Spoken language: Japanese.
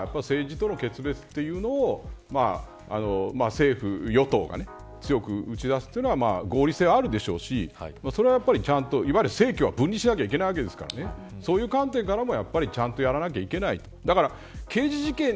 そういう意味では政治との決別というのを政府与党が強く打ち出すというのは合理性はあるでしょうしそれはやっぱり政教は分離しなきゃいけないですからそういう観点からもちゃんとやらないといけない。